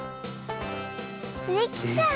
できた。